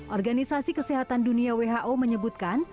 organisasi kesehatan dunia who menyebutkan